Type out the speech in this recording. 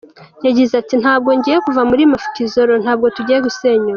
Yagize ati “Ntabwo ngiye kuva muri Mafikizolo, ntabwo tugiye gusenyuka.